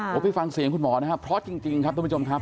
โหพี่ฟังเสียงคุณหมอนะฮะพร้อมจริงครับท่านผู้ชมครับ